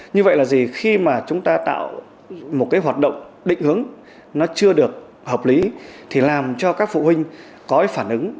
như vậy là gì khi mà chúng ta tạo một cái hoạt động định hướng nó chưa được hợp lý thì làm cho các phụ huynh có cái phản ứng